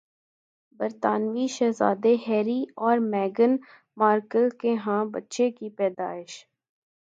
برطانوی شہزادے ہیری اور میگھن مارکل کے ہاں بچے کی پیدائش